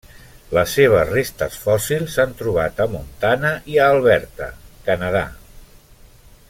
Les seves restes fòssils s'han trobat a Montana i a Alberta, Canadà.